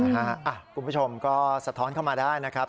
คุณผู้ชมก็สะท้อนเข้ามาได้นะครับ